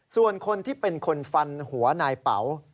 ส่วนคนที่เป็นคนฟันหัวนายเป๋า